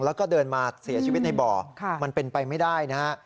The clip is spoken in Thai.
แล้วก็เดินมาเสียชีวิตในบ่อมันเป็นไปไม่ได้นะฮะ